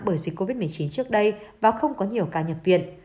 bởi dịch covid một mươi chín trước đây và không có nhiều ca nhập viện